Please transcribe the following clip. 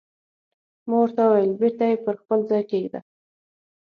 ما ورته وویل: بېرته یې پر خپل ځای کېږده.